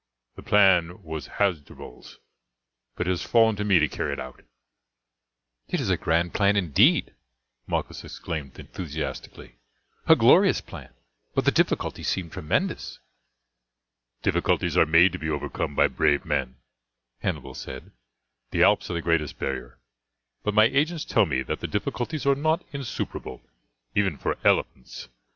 The plan was Hasdrubal's, but it has fallen to me to carry it out." "It is a grand plan indeed," Malchus exclaimed enthusiastically "a glorious plan, but the difficulties seem tremendous." "Difficulties are made to be overcome by brave men," Hannibal said. "The Alps are the greatest barrier, but my agents tell me that the difficulties are not insuperable even for elephants.